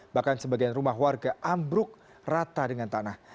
bahkan sebagian rumah warga ambruk rata dengan tanah